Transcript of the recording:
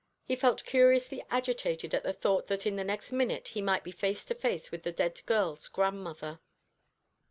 He felt curiously agitated at the thought that in the next minute he might be face to face with the dead girl's grandmother.